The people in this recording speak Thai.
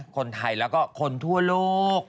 คนไทยแล้วก็คนทั่วโลก